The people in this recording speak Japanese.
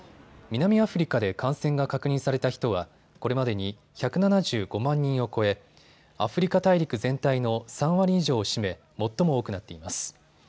南アフリカで感染が確認された人はこれまでに１７５万人を超えアフリカ大陸全体の３割以上を占め、最も多くなっています。